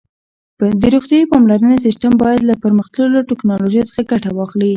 د روغتیايي پاملرنې سیسټم باید له پرمختللو ټکنالوژیو څخه ګټه واخلي.